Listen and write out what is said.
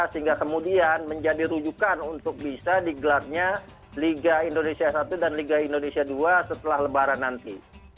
sehingga kemudian menjadi rujukan untuk bisa digelarnya liga indonesia satu dan liga indonesia dua setelah lebaran nanti